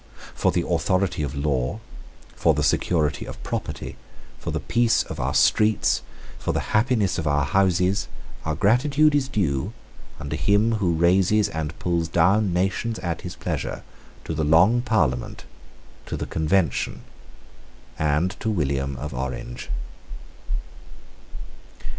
For the authority of law, for the security of property, for the peace of our streets, for the happiness of our houses, our gratitude is due, under Him who raises and pulls down nations at his pleasure, to the Long Parliament, to the Convention, and to William of Orange.